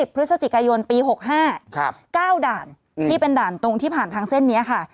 พฤศจิกายนปี๖๕๙ด่านที่เป็นด่านตรงที่ผ่านทางเส้นนี้ค่ะ